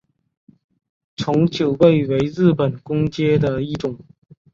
从九位为日本官阶的一种。